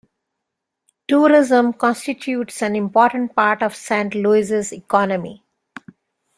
Tourism constitutes an important part of Saint-Louis' economy.